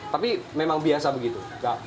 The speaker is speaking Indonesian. tapi memang biasa begitu